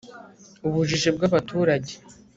ubujiji bw'abaturage